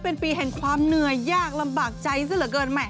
เป็นปีแห่งความเหนื่อยยากลำบากใจซะเหลือเกิน